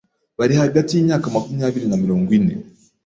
bari hagati y’imyaka makumyabiri na mirongo ine